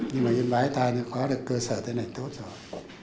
nhưng mà yên bái ta mới có được cơ sở thế này tốt rồi